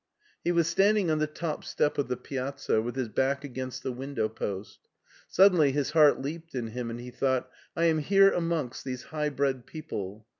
He was standing on the top step of the piazza with his back against t^^ window post. Suddenly his heart leaped in him and he thought, '' I am here amongst these high bred people.